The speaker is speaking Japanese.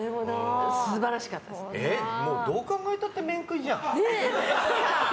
どう考えたって面食いじゃん。